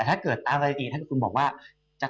ถ้าเกิดจะต้องซื้อไปถึงแสนสองแสนสาม